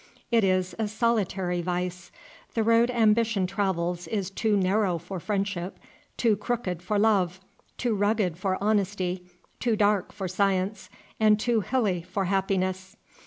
It is a solitary vice. The road ambition travels is too narrow for friendship, too crooked for love, too rugged for honesty, too dark for science, and too hilly for happiness.